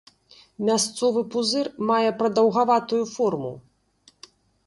Мясцовы пузыр мае прадаўгаватую форму.